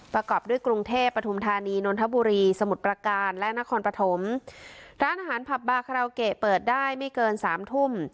ประกอบด้วยกรุงเทพปฐุมธานีนนทบุรีสมุทรประการและนครปฐมร้านอาหารผับบาคาราโอเกะเปิดได้ไม่เกินสามทุ่ม